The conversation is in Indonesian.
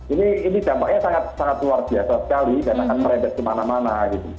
ini dampaknya sangat luar biasa dan akan merebet kemana mana